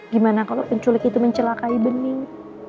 gimana kalau penculik itu mencelakai bening